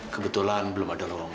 kebetulan belum ada ruang